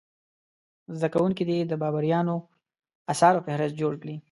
زده کوونکي دې د بابریانو اثارو فهرست جوړ کړي.